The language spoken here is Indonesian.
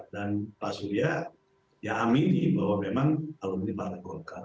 dan pak surya ya amiri bahwa memang alumni partai golkar